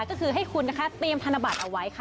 ก็คือให้คุณนะคะเตรียมธนบัตรเอาไว้ค่ะ